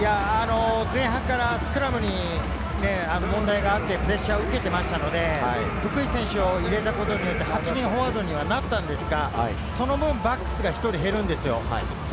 前半からスクラムに問題があってプレッシャーを受けてましたので、福井選手を入れたことによって８人フォワードにはなったんですが、その分、バックスが１人減るんですよ。